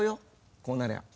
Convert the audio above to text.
こうなりゃ。